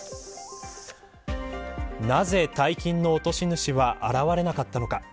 なぜ大金の落とし主は現れなかったのか。